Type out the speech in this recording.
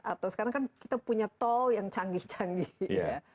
atau sekarang kan kita punya tol yang canggih canggih ya